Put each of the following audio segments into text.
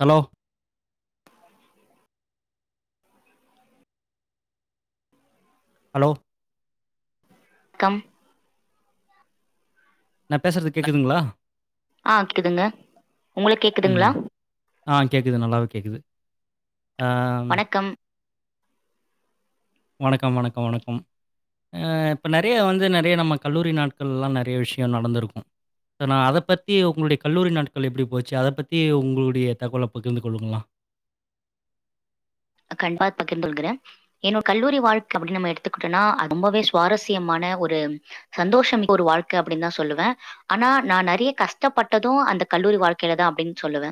Hello hello கம் நா பேசுறது கேக்குதுங்களா ஆ கேக்குதுங்க உங்களுக்கு ம். கேக்குதுங்களா ஆ கேக்குது நல்லாவே கேக்குது ஆம் வணக்கம் வணக்கம் வணக்கம் வணக்கம் ஆ இப்ப நெறைய வந்து நெறைய நம்ம கல்லூரி நாட்கள்லா நெறைய விஷயோ நடந்திருக்கு நா அத பத்தி உங்களுடைய கல்லூரி நாட்கள் எப்டி போச்சு அத பத்தி உங்களுடைய தகவல பகிர்ந்து கொள்ளுங்கனா கண் பாத்துகின்டருகிறே என்னோட கல்லூரி வாழ்க அப்டின்னு நம்ம எடுத்துக்கிட்டோம்னா அது ரொம்பவே சுவாரஸ்யமான ஒரு சந்தோஷம் ஒரு வாழ்க்க அப்டின்னு தா சொல்லுவே ஆனா நா நெறைய கஷ்டப்பட்டது அந்த கல்லூரி வாழ்க்கையில தா அப்டின்னு சொல்லுவே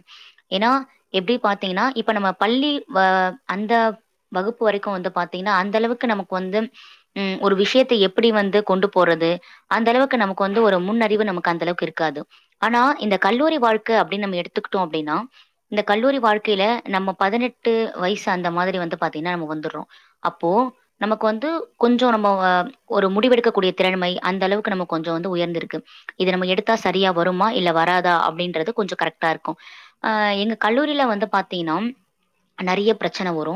ஏன்னா எப்டி பாத்தீங்கன்னா இப்ப நம்ம பள்ளி வ அந்த வகுப்பு வரைக்கு வந்து பாத்தீங்கன்னா அந்தளவுக்கு நமக்கு வந்து ம் ஒரு விஷயத்த எப்டி வந்து கொண்டு போறது அந்த அளவுக்கு நமக்கு வந்து ஒரு முன்னறிவு நமக்கு அந்த அளவுக்கு இருக்காது ஆனா இந்த கல்லூரி வாழ்க்க அப்டின்னு நம்ம எடுத்துகிட்டோ அப்டின்னா இந்த கல்லூரி வாழ்க்கையில நம்ம பதினெட்டு வயசு அந்த மாரி வந்து பாத்தீங்னா நம்ம வந்தறோ அப்போ நமக்கு வந்து கொஞ்சோ நம்ம ஒரு முடிவெடுக்க கூடிய திறமை அந்த அளவுக்கு நம்ம கொஞ்சோ வந்து உயர்ந்திருக்கு இத நம்ம எடுத்தா சரியா வருமா இல்ல வராதா அப்படின்றது கொஞ்சம் கரெட்டா இருக்கு அ எங்க கல்லூரியில வந்து பாத்தீங்னா நெறைய பிரச்சன வரு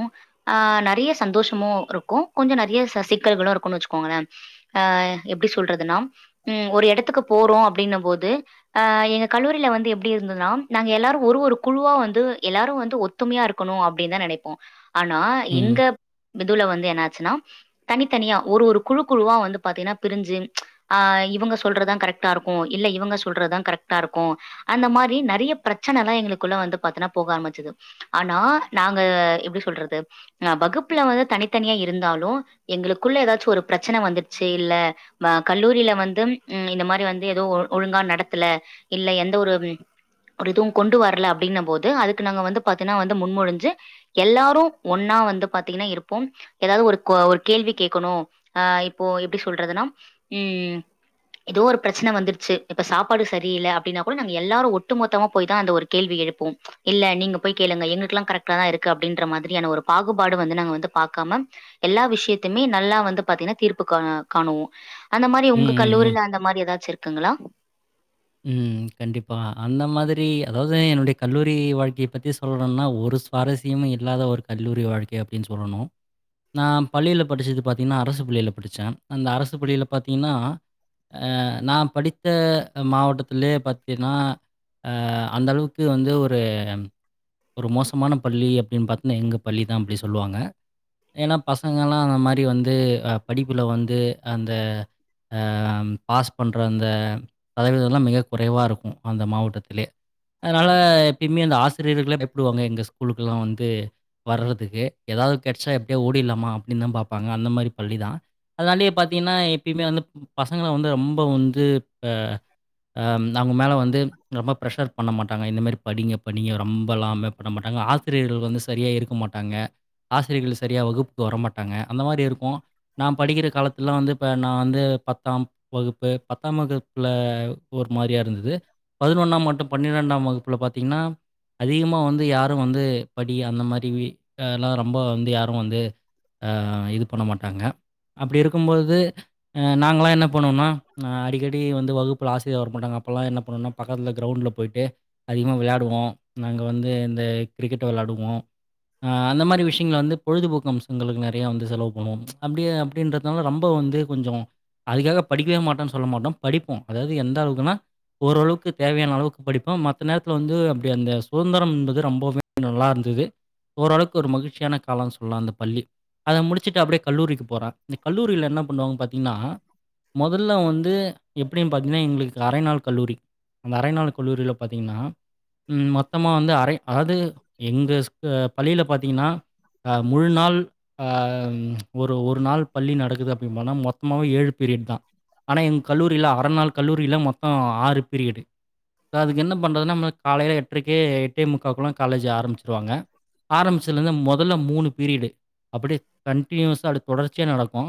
ஆ நெறைய சந்தோஷமு இருக்கு கொஞ்சோ நெறைய சிக்கல்களு இருக்கு வச்சுக்குங்களே அ எப்டி சொல்றதுன்னா உம் ஒரு எடத்துக்கு போறோ அப்டினும் போது அ எங்க கல்லூரியில வந்து எப்டி இருந்ததுன்னா நாங்க எல்லாரு ஒரு ஒரு குழுவா வந்து எல்லாரு வந்து ஒ ஒத்துமையா இருக்கணு அப்டின்னு தா நினைப்போ ஆனா ம். எங்க இதுல வந்து என்னாச்சுனா தனித்தனியா ஒரு ஒரு குழு குழுவா வந்து பாத்தீங்னா பிரிஞ்சு ஆ இவங்க சொல்றதுதா கரெக்ட்டா இருக்கு இல்ல இவங்க சொல்றதுதா கரெக்டா இருக்கு அந்த மாரி நெறைய பிரச்சனைலா எங்களுக்குள்ள வந்து பாத்தீங்னா போக ஆரம்பிச்சது ஆனா நாங்க எப்டி சொல்றது அ வகுப்புல வந்து தனித்தனியா இருந்தாலு எங்களுக்குள்ள ஏதாச்சு ஒரு பிரச்சன வந்துருச்சி இல்ல அ கல்லூரியில வந்து இந்த மாரி வந்து ஏதோ ஒழுங்கா நடத்தல இல்ல எந்த ஒரு ஒரு எதுவு கொண்டு வரல அப்டின்னும் போது அதுக்கு நாங்க வந்து பாத்தீங்கன்னா வந்து முன்மொழுஞ்சு எல்லாரு ஒன்னா வந்து பாத்தீங்னா இருப்போ எதாவது ஒரு கேள்வி கேட்கணு அ இப்போ எப்டி சொல்றதுன்னா ம் ஏதோ ஒரு பிரச்சன வந்துருச்சி இப்ப சாப்பாடு சரியில்ல அப்படின்னா கூட நாங்க எல்லாரு ஒட்டு மொத்தமா போய் தா அந்த ஒரு கேள்வி எழுப்புவோ இல்ல நீங்க போய் கேளுங்க எங்குளுக்லா கரெக்டா தா இருக்கு அப்டின்ற மாதிரியான ஒரு பாகுபாடு வந்து நாங்க வந்து பாக்கம எல்லா விசியத்துமே நல்லா வந்து பாத்தீங்கன்னா தீர்ப்பு காணு காணுவோ அந்த மாரி ம், உங்க ம், ம். கல்லூரில அந்த மாரி எதாச்சு இருக்குங்களா ம் கண்டிப்பா அந்த மாதிரி அதாவது என்னுடைய கல்லூரி வாழ்க்கைய பத்தி சொல்னுனா ஒரு சுவாரசியமே இல்லாத ஒரு கல்லூரி வாழ்க்கை அப்டின் சொல்லணு நா பள்ளியில படிச்சது பாத்தீங்கன்னா அரசு பள்ளியில படிச்ச அந்த அரசு பள்ளியில பாத்தீங்கன்னா நா படித்த மாவட்டத்திலே பாத்தீங்னா ஆ அந்தளவுக்கு வந்து ஒரு ஒரு மோசமான பள்ளி அப்பிடின்னு பார்த்திங்கனா எங்க பள்ளி தா அப்படி சொல்லுவாங்க ஏன்னா பசங்கலா அந்த மாரி வந்து படிப்புல வந்து அந்த ஆ பாஸ் பண்ணுற அந்த சதவீதம்ல்லா மிக குறைவா இருக்கு அந்த மாவட்டத்தலேயே அதனால எப்பயுமே அந்த ஆசிரியர்கள் பயப்படுவாங்க எங்க ஸ்கூலுக்குள்ள வந்து வர்றதுக்கே ஏதாவது கெடச்சா எப்படியே ஓடிலாமா அப்படின்னு தான் பார்ப்பாங்க அந்த மாரி பள்ளி தா அதனாலயே பாத்தீங்கன்னா எப்பயுமே வந்து பசங்கள வந்து ரொம்ப வந்து ஆ அம் அவங்க மேலே வந்து ரொம்ப ப்ரஷர் பண்ண மாட்டாங்க இந்தமாரி படிங்க படிங்க நீங்க ரொம்பல்லாமே பண்ண மாட்டாங்க ஆசிரியர்கள் வந்து சரியாக இருக்க மாட்டாங்க ஆசிரியர்கள் சரியாக வகுப்புக்கு வரமாட்டாங்க அந்த மாரி இருக்கு நா படிக்கிற காலத்துல்ல வந்து இப்ப நான் வந்து பத்தாம் வகுப்பு பத்தாம் வகுப் புல ஒரு மாரியா இருந்தது பதினொன்னாம் மட்டு பன்னிரெண்டாம் வகுப்புல பாத்தீங்கன்னா அதிகமா வந்து யாரு வந்து படி அந்த மாரி யல்லா ரொம்ப வந்து யாரு வந்து ஆ இது பண்ண மாட்டாங்க அப்படி இருக்கும்போது ஆ நாங்களா என்ன பண்ணுவோனா ஆ டி வந்து வகுப்புல ஆசிரியர் வரமாட்டாங்க அப்பெல்லா என்ன பண்ணுவோனா பக்கத்துல கிரவுண்ட்ல போயிட்டு அதிகமா விளையாடுவோ நாங்க வந்து இந்த கிரிக்கெட்ட விளையாடுவோ ஆ அந்த மாதிரி விஷயங்களை வந்து பொழுதுபோக்கு அம்சங்களுக்கு நெறைய வந்து செலவு பண்ணுவோ அப்படியே அப்படின்ற ரொம்ப வந்து கொஞ்சோ அதுக்காக படிக்கவே மாட்டோம்னு சொல்ல மாட்டோ படிப்போம் அதாவது எந்த அளவுக்குன்னா ஓரளவுக்கு தேவையான அளவுக்கு படிப்போம் மத்த நேரத்துல வந்து அப்படி அந்த சுதந்திரம்ன்றது ரொம்பவே நல்லாருந்துது ஓரளவுக்கு ஒரு மகிழ்ச்சியான காலம் சொல்லலா அந்த பள்ளி அதை முடிச்சுட்டு அப்படியே கல்லூரிக்கு போற இந்த கல்லூரியில என்ன பண்ணுவாங்க பாத்தீங்கன்னா முதல்ல வந்து எப்படின்னு பாத்தீங்கன்னா எங்களுக்கு அரைநாள் கல்லூரி அந்த அரைநாள் கல்லூரியில பாத்தீங்கன்னா ம் மொத்தமா வந்து அரை அதாவது எங்க ஸ்கூ பள்ளியில பாத்தீங்கன்னா ஆ முழு நாள் ஆ ஒரு ஒரு நாள் பள்ளி நடக்குது அப்படின்னு பனா மொத்தமாவே ஏழு பீரியட் தா ஆனா எங்க கல்லூரியில அறநாள் கல்லூரியில மொத்தோ ஆறு பீரியடு அதுக்கு என்ன பண்ணுறதுன்னா நம்ம காலையில எட்டரைக்கே எட்டே முக்காளுக்குகே காலேஜ் ஆரம்பிச்சுடுவாங்க ஆரம்பிச்சலேருந்து முதல்ல மூணு பீரியடு அப்படியே கண்டடினியூஸா அ தொடர்ச்சியாக நடக்கு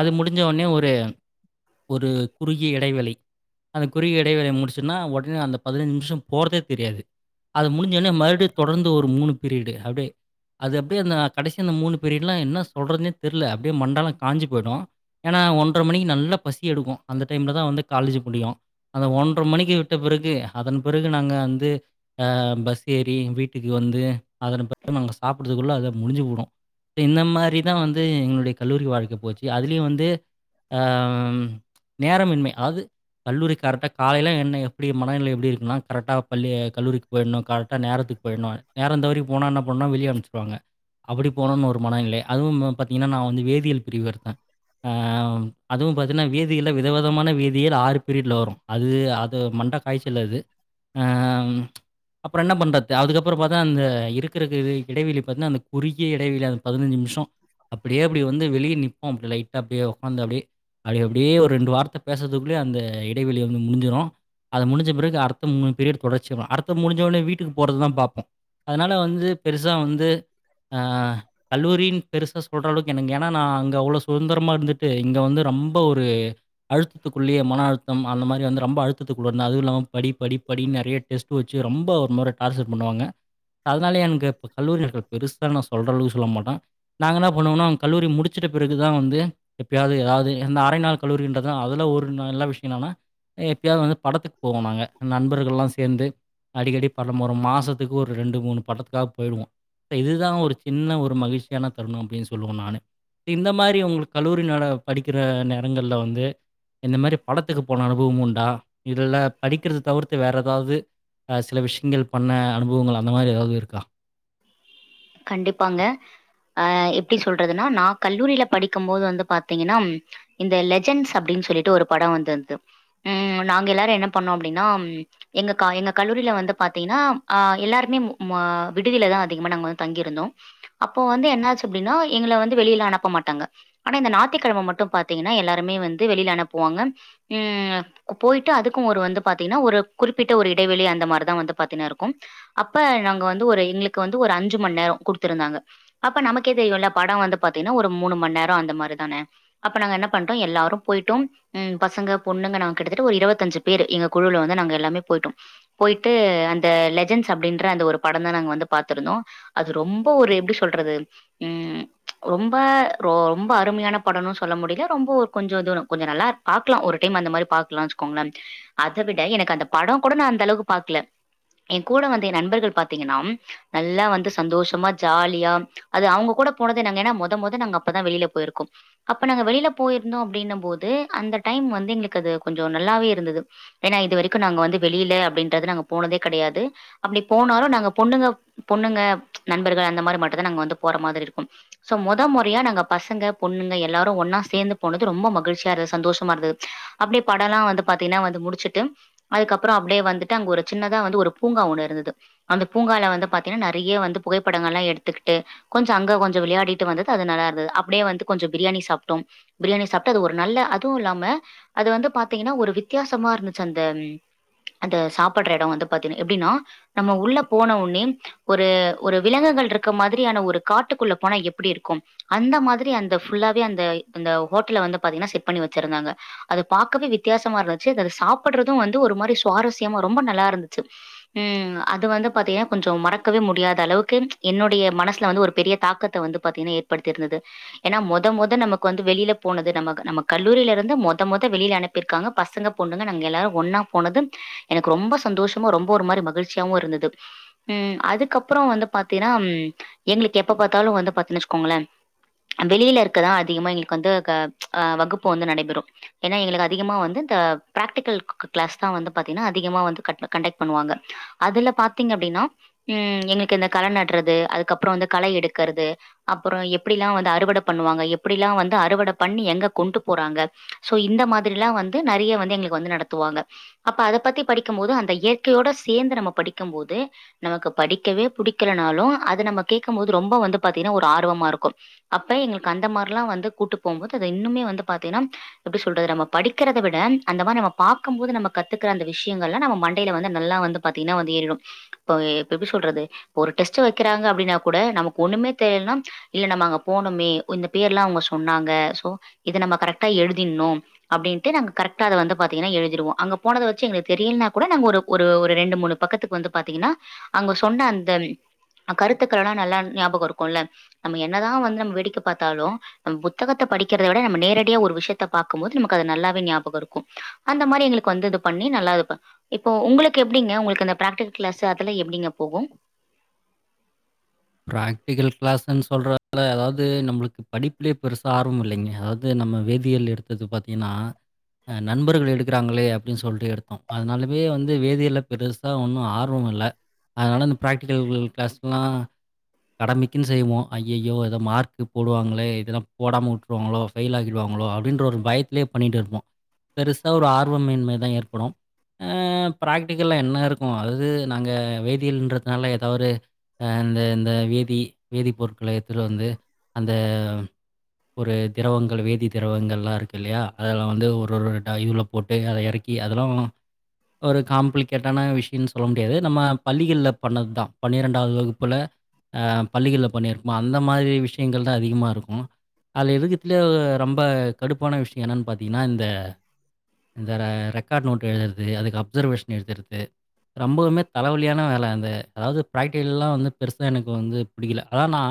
அது முடிஞ்ச உனே ஒரு ஒரு குறுகிய இடைவேளை அந்த குறுகிய இடைவெளை முடிச்சுன்னா உடனே அந்த பதினஞ்சு நிமிஷம் போறதே தெரியாது அது முடிஞ்சனே மறுபடி தொடர்ந்து ஒரு மூணு பீரியீடு அப்டே அது அப்டியே அந்த கடைசி அந்த மூணு பெரிய எல்லாம் என்ன சொல்றதுே தெரியல அப்டியே மண்டாலா காஞ்சு போயிடு ஏன்னா ஒன்றரை மணிக்கு நல்ல பசி எடுக்கும் அந்த டைம்ல தா வந்து காலேஜ் முடியும் அந்த ஒன்றர மணிக்கு விட்ட பிறகு அதன் பிறகு நாங்க வந்து அ பஸ் ஏறி வீட்டுக்கு வந்து அதன் பிறகு நாங்க சாப்படுறதுக்குள்ள அத முடிஞ்சு போடும் இந்த மாரிதா வந்து எங்களுடைய கல்லூரி வாழ்க்க போச்சு அதுலயு வந்து ஆம் நேரமின்மை அதாது கல்லூரி கரெக்டா காலையலா என்ன எப்படி மனநிலை எப்படி இருக்குனா கரெக்டா பள்ளி கல்லூரி போயிடணு கரெக்டா நேரத்துக்கு போயிணு நேரம் தவறி போனா என்ன பண்ண வெளிய அனுச்சிருவாங்க அப்புடி போணுன்னு ஒரு மனோ இல்லே அதுவும் ம பாத்தீங்கென்னா நா வந்து வேதியியல் பிரிவுகர்த்தே ஆ அதுவும் பாத்தீன்னா வேதி யல்ல விதவிதமான வேதியில் ஆறு பீரிட்ல வரும் அது அது மண்ட காய்ச்சல் அது ஆ ம் அப்பறோ என்ன பண்றது அதுக்கப்பறோ பாத்தா அந்த இருக்குறக்கு இது இடைவெளி பாத்தீனா அந்த குறுகிய இடைவெளி அந் பதுனஞ்சு நிம்ஷோ அப்புடியே அப்டி வந்து வெளிய நிப்போம் அப்டி லைட்டா அப்டியே ஒக்காந்து அப்டி அப்டி அப் அப்டியே ஒரு ரெண்டு வார்த்த பேசுறதுக்குள்ளயு அந்த இடைவெளிய வந்து முடிஞ்சுரு அது முடிஞ்ச பிறகு அடுத்த மூணு பீரியட் தொடச்சுருவே அடுத்த முடுஞ்சடோனே வீட்டுக்கு போறதுதா பாப்போம் அதுனால வந்து பெருசா வந்து அ ஆ கல்லூரீன் பெருசா சொல்ற அளவுக்கு எனக்கு ஏன்னா நா அங்க அவ்ளோ சுகுந்தரமா இருந்துட்டு இங்க வந்து ரொம் இப்ப ஒரு அழுத்தத்துக்குள்ளேயே மன அழுத்தம் அந்த மாரி வந்து ரொம்ப அழுத்துக்குள்ள இருந்த அதுவு இல்லாம படி படி படின்னு நெறையா டெஸ்ட் டு வச்சு ரொம்ப ஒரு முற டார்ஜர் பண்ணுவாங்க அதுனாலயே என்க்கு இப்ப கல்லூரிகள் பெருசா நா சொல்ற அளவுக்கு சொல்ல மாட்டே நாங்கள என்னப் பண்ணுவோன்னா கல்லூரி முடிச்சுட்ட பிறகு தா வந்து எப்பையாவது எதாவது எந்த ஆரை நாள் கல்லூரின்றதுதா அதுல ஒரு நல்ல விஷ்யோ என்னனா எப்பயாவது வந்து படத்துக்கு போவோ நாங்க நண்பர்கள்லா சேர்ந்து அடிக்கடி படம் ஒரு மாசத்துக்கு ஒரு ரெண்டு மூணு படத்துக்காவது போய்டுவோ இப்ப இதுதா ஒரு சின்ன ஒரு மகிழ்ச்சியான தருணம் அப்டின்னு சொல்லுவோ நானு இந்த மாரி உங்களுக்கு கல்லூரினால படிக்கிற நேரங்கள்ல வந்து இந்த மாரி படத்துக்கு போன அனுபவம் உண்டா இதுல படிக்கிறத தவுர்த்து வேற எதாவது ஆ சில விஷயங்கள் பண்ண அனுபவங்கள் அந்த மாரி எதாவது இருக்கா கண்டிப்பாங்க அ எப்டி சொல்றதுன்னா நா கல்லூரியில படிக்கும் போது வந்து பாத்தீங்கென்னாம் இந்த லெஜெண்ட்ஸ் அப்டின்னு சொல்லிட்டு ஒரு படோ வந்து இருந்துர்து ம் நாங்க எல்லாரு என்ன பண்ணோ அப்டின்னா எங்க கா எங்க கல்லூரியில வந்து பாத்தீங்கன்னா அ எல்லாருமே மா விடுதிலதா அதிகமா நாங்க வந் தங்கி இருந்தோ அப்ப வந்து என்ன ஆச்சு அப்டின்னா எங்கள வந்து வெளியில அனுப்ப மாட்டாங்க ஆனா இந்த நாத்திக்கெழம மட்டு பாத்தீங்கென்னா எல்லாருமே வந்து வெளியில அனுப்புவாங்க ம் பொயிட்டு அதுக்கும் ஒரு வந்து பாத்தீங்கன்னா ஒரு குறிப்பிட்ட ஒரு இடைவெளி அந்த மாரிதா வந்து பாத்தீங்கன்னா இருக்கும் அப்ப நாங்க வந்து ஒரு எங்களுக்கு வந்து ஒரு அஞ்சு மண் நேரோ குடுத்துருந்தாங்க அப்ப நமக்கே தெரியுல்ல படோ வந்து பாத்தீங்கென்னா ஒரு மூணு‌ மண் நேரோ அந்த மாரி தானு அப்ப நாங்க என்ன பண்டோ எல்லாரும் பொய்ட்டும் ம் பசங்க பொண்ணுங்க நாங்க கிட்டத்தட்ட ஒரு இருவத்தஞ்சு பேரு எங்க குழுவுல வந்து நாங்க எல்லாமே பொயிட்டோம் பொயிட்டு அந்த லெஜெண்ட்ஸ் அப்டின்ற அந்த ஒரு படந்தா நாங்க வந்து பாத்துருந்தோ அது ரொம்ப ஒரு எப்டி சொல்றது ம் ரொம்ப ரொ ரொம்ப அருமையான படன்னு சொல்ல முடியல ரொம்ப ஒரு கொஞ்சோ இதோனு இது கொஞ்ச நல்லாருக் பாக்லா ஒரு டைம் அந்த மாரி பாக்லானு வச்சுக்கோங்களே அத விட எனக்கு அந்த படோ கூட நா அந்த அளவுக்கு பாக்ல ஏ கூட வந்து எ நண்பர்கள் பாத்தீங்கென்னா நல்லா வந் ந்து சந்தோஷமா ஜாலியா அது அவுங்க கூட போனதே நாங்க ஏன்னா மொத மொத நாங்க அப்பதா வெளியில போயிருக்கோம் அப்ப நாங்க வெளியில போயிருந்தோ அப்டின்னம் போது அந்த டைம் வந்து எங்களுக்கு அது கொஞ்சோ நல்லாவே இருந்தது ஏன்னா இது வரைக்கு நாங்க வந்து வெளியில அப்டின்றது நாங்க போனதே கெடையாது அப்டி போனாலு நாங்க பொண்ணுங்க பொண்ணுங்க நண்பர்கள் அந்த மாரி மட்டுந்தா நாங்க வந்து போற மாதிரி இருக்கும் சோ மொத முறையா நாங்க பசங்க பொண்ணுங்க எல்லாரு ஒன்னா சேர்ந்து போனது ரொம்ப மகிழ்ச்சியா இரு சந்தோஷமா இருந்தது அப்டியே படோல்லா வந்து பாத்தீங்கென்னா வந்து முடிச்சுட்டு அதுக்கப்பறோ அப்டியே வந்துட்டு அங்க ஒரு சின்னதா வந்து ஒரு பூங்கா ஒண்ணு இருந்தது அந்த பூங்கால வந்து பாத்தீங்கென்னா நெறையா வந்து புகைப்படங்கள்லா எடுத்துக்குட்டு கொஞ்சோ அங்க கொஞ்சோ விளையாடிட்டு வந்தது அது நல்லாருந்தது அப்டியே வந்து கொஞ்சோ பிரியாணி சாப்ட்டோம் பிரியாணி சாப்ட்டு அது ஒரு நல்ல அதுவு இல்லாம அது வந்து பாத்தீங்கன்னா ஒரு வித்தியாசமா இருந்துச்சி அந்த அந்த சாப்ட்ற எடோ வந்து பாத்தீன்னா எப்டின்னா நம்ம உள்ள போன ஒன்னே ஒரு ஒரு விலங்குகள் இருக்க மாதிரியான ஒரு காட்டுக்குள்ள போன எப்டி இருக்கும் அந்த மாதிரி அந்த ஃபுல்லாவே அந்த அந்த ஹோட்டல்ல வந்து பாத்தீங்கன்னா செட் பண்ணி வச்சிருந்தாங்க அத பாக்கவே வித்தியாசம இருந்துச்சி அந்த அதுல சாப்டறது வந்து ஒரு மாரி சுவாரஸ்யமா ரொம்ப நல்லா இருந்துச்சு ம் அது வந்து பாத்தீங்கன்னா கொஞ்சோ மறக்கவே முடியாது அந்த அளவுக்கு என்னுடைய மனசுல வந்து ஒரு பெரிய தாக்கத்த வந்து பாத்தீங்கன்னா ஏற்படுத்தி இருந்தது ஏன்னா மொத மொத நமக்கு வந்து வெளில போனது நம்ம நம்ம கல்லூரில இருந்து மொத மொத வெளில அனுப் பீர்காங்க பசங்க பொண்ணுங்க நாங்க எல்லாரு ஒன்னா போனது எனக்கு ரொம்ப சந்தோஷமு ரொம்ப ஒரு மாரி மகிழ்ச்சியாவு இருந்தது ம் அதுக்கப் பறோ வந்து பாத்தீன்னா எங்களுக்கு எப்ப பாத்தாலு வந்து பாத்தீன்னு வச்சுக்கோங்களே வெளியில இருக்கதா அதிகமா எங்களுக்கு வந்து க ஆ வகுப்பு வந்து நடைபெறு ஏன்னா எங்களுக்கு அதிகமா வந்து இந்த பிராக்டிகல் க கிளாஸ் தா வந்து பாத்தீங்கன்னா அதிகமா வந்து கண் கண்டக்ட் பண்ணுவாங்க அதுல பாத்தீங்க அப்டின்னா ம் எங்களுக்கு இந்த களை நட்றது அதுக்கப்பறோ வந்து களை எடுக்கறது அப்பறோ எப்டில்லா வந்து அறுவடை பண்ணுவாங்க எப்டில்லா வந்து அறுவடை பண்ணி எங்க கொண்ட்டு போறாங்க சோ இந்த மாதிரிலா வந்து நெறைய வந்து எங்களுக்கு வந்து நடத்துவாங்க அப்ப அத பத்தி படிக்கும் போது அந்த இயற்கையோட சேந்து நம்ம படிக்கும் போது நமக்கு படிக்கவே புடிக்கலனாலு அது நம்ம கேக்கும் போது ரொம்ப வந்து பாத்தீங்கன்னா ஒரு ஆர்வமா இருக்கும் அப்ப எங்களுக்கு அந்த மாரில்லா வந்து கூட்டு போம்போது அது இன்னுமே வந்து பாத்தீங்கன்னா எப்டி சொல்றது நம்ம படிக்கிறத விட அந்த மாரி நம்ம பாக்கும்போது நம்ம கத்துக்கிற அந்த விஷயங்கள்ல்லா நம்ம மண்டையில வந்து நல்லா வந்து பாத்தீங்கன்னா வந்து ஏறிடும் இப்ப இப்ப எப்டி சொல்றது ஒரு டெஸ்ட் வைக்கிறாங்க அப்டின்னா கூட நமக்கு ஒண்ணுமே தெரியலன்னா இல்ல நம்ம அங்க போனமே இந்த பேர் எல்லா அவுங்க சொன்னாங்க சோ இத நம்ம கரெக்டா எழுதீட்னு அப்டின்ட்டு நாங்க கரெக்டா அத வந்து பாத்தீங்கன்னா எழுதிருவோ அங்க போனத வச்சி எங்களுக்கு தெரியலனா கூட நாங்க ஒரு ஒரு ஒரு ரெண்டு மூணு பக்கத்துக்கு வந்து பாத்தீங்கன்னா அங்க சொன்ன அந்த கருத்துக்கள் எல்லா நல்லா ஞாபகோ இருக்குல்ல நம்ம என்னதா வந்து நம்ம வேடிக்க பாத்தாலு நம்ம புத்தகத்த படிக்கிறத விட நம்ம நேரடியா ஒரு விஷயத்த பாக்கும்போது நமக்கு அது நல்லாவே ஞாபகோ இருக்கு அந்த மாரி எங்களுக்கு வந்து இது பண்ணி நல்லா இது இப்போ உங்களுக்கு எப்டிங்க உங்களுக்கு அந்த பிராக்டிகல் கிளாஸ் அதெல்லா எப்டிங்க போகு பிராக்டிகல் கிளாஸ்ன்னு சொல்றலே அதாவது நம்மளுக்கு படிப்பிலயே பெருசா ஆர்வம் இல்லைங்க அதாவது நம்ம வேதியியல் எடுத்தது பாத்தீங்கன்னா நண்பர்கள் எடுக்குறாங்களே அப்டின்னு சொல்லிட்டு எடுத்தோ அதுனாலவே வந்து வேதியியல்ல பெரு சா ஒன்னு ஆர்வம் இல்ல அதுனால அந்த ப்ராக்டிக்கல் கிளாஸ்க்குல்லா கடமைக்குன்னு செய்வோ அய்யய்யோ ஏதோ மார்க்கு போடுவாங்களே இதெல்லா போடாம விட்ருவாங்களோ ஃபெயில் ஆக்கிடுவாங்களோ அப்டின்ற ஒரு பயத்திலயே பண்ணிட்டு இருப்போ பெருசா ஒரு ஆர்வமின்மைதா ஏற்படு ஆ ப்ராக்டிக்கல்ல என்ன இருக்கு அதாவது நாங்க வேதியல்ன்றதுனால ஏதாவது ஆ இந்த இந்த வேதி வேதி பொருட்கல எடுத்துட்டு வந்து அந்த ஒரு திரவங்கள் வேதி திரவங்கள்லா இருக்கு இல்லையா அதெல்லா வந்து ஒரு ஒரு இது உள்ள போட்டு அத இறக்கி அதெல்லா ஒரு காம்ப்ளிகேட்டான விஷயன்னு சொல்ல முடியாது நம்ம பள்ளிகள்ல பண்ணது தா பன்னிரெண்டாவது வகுப்புல ஆ பள்ளிகள்ல பண்ணியிருப்போ அந்த மாதிரி விஷயங்கள் தா அதிகமா இருக்கு அதுல இருக்கதுலயே ரொம்ப கடுப்பான விஷயோ என்னென்னு பாத்திங்கன்னா இந்த இந்த ரெக்கார்ட் நோட்டு் எழுதுறது அதுக்கு அப்சர்வேஷன் எழுதுறது ரொம்பவுமே தலைவலியான வேலை அந்த அதாவது பிராக்டிக்கல்லா வந்து பெருசா எனக்கு ப்ப வந்து பிடிக்கல அதா நா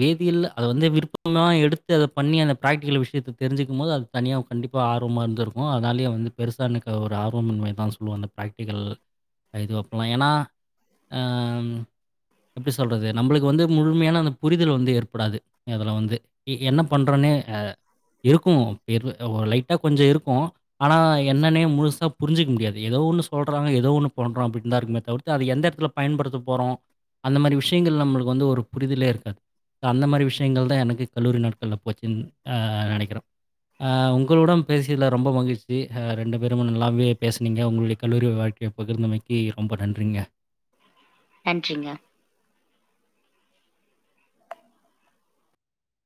வேதியியல்ல அத வந்து விருப்பமாக எடுத்து அதை பண்ணி அந்த பிராக்டிக்கல் விஷயத்த தெரிஞ்சுக்கும் போது அது தனியா கண்டிப்ப ஆர்வமா இருந்திருக்கு அதனாலேயே வந்து பெருசானைக்கு ஒரு ஆர்வமின்மைனு தா சொல்லுவ அந்த ப்ராக்டிகல் இது ஒப்பலஏனா அ எப்டி சொல்றது நம்மளுக்கு வந்து முழுமையான அந்த புரிதல் வந்து ஏற்படாது இதுல வந்து என்ன பண்றோனே அ. இருக்கு இரு லைட்டா கொஞ்ச இருக்கும். ஆனா என்னனே முழுசா புரிஞ்சிக்க முடியாது எதோ ஒண்ணு சொல்றாங்க எதோ ஒண்ணு பண்றா அப்டின்னுதா இருக்குமே தவிர்த் அத எந்த எடத்துல பயன்படுத்த போறோ அந்த மாரி விஷயங்கள் நம்மளுக்கு வந்து ஒரு புரிதலே இருக்காது அந்த மாதிரி விஷயங்கள் தா எனக்கு கல்லூரி நாட்கள்ல போச்சுன் அ நெனைக்கிற உங்களுடன் பேசியல்ல ரொம்ப மகிழ்ச்சி ரெண்டு பேரு நல்லாவே பேசனீங்க உங்களுடைய கல்லூரி வாழ்க் ய பகிர்ந்தமைக்கு ரொம்ப நன்றிங்க நன்றிங்க